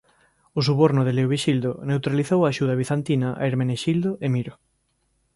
O suborno de Leovixildo neutralizou a axuda bizantina a Hermenexildo e Miro.